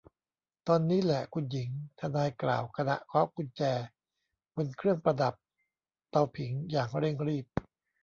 ตอนนี้แหละคุณหญิง ทนายกล่าวขณะเคาะกุญแจบนเครื่องประดับเตาผิงอย่างเร่งรีบ